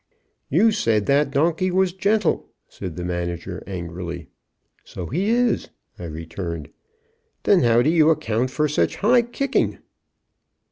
"You said the donkey was gentle," said the manager, angrily. "So he is," I returned. "Then how do you account for such high kicking?"